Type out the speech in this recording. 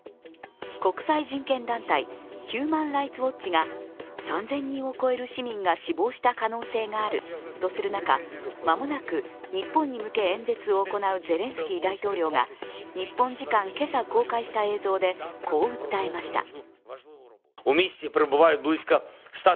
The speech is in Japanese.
国際人権団体、ヒューマン・ライツ・ウォッチが３０００人を超える市民が死亡した可能性があるとする中、間もなく日本に向け演説を行うゼレンスキー大統領が日本時間今朝公開した映像でこう訴えました。